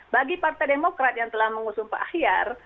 bagi partai demokrat yang telah mengusung pak ahyar